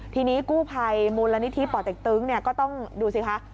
ทีนี้กู้ภัยมูลนิธิป่อเต็กตึงก็ต้องดูสิคะ